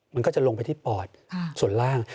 มันก็จะลงไปที่ปอดส่วนล่าง